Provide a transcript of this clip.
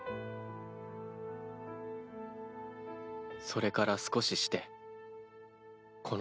それから少ししてああ。